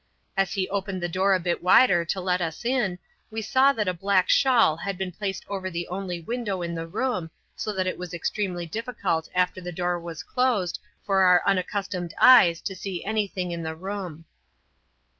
As he opened the door a bit wider to let us in, we saw that a black shawl had been placed over the only window in the room, so that it was extremely difficult after the door was closed for our unaccustomed eyes to see anything in the room.